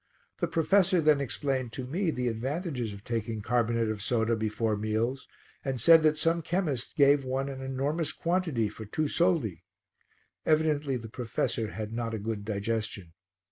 The professor then explained to me the advantages of taking carbonate of soda before meals and said that some chemists gave one an enormous quantity for two soldi. Evidently the professor had not a good digestion.